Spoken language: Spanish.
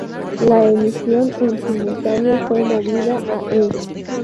La emisión en simultáneo fue movida a E!